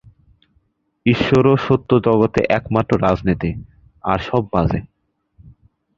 ঈশ্বর ও সত্যই জগতে একমাত্র রাজনীতি, আর সব বাজে।